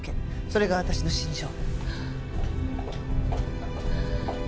それが私の信条。